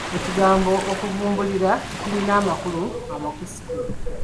Ekigambo okuvumbulira kirina amakulu amakusike.